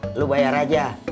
lo bayar aja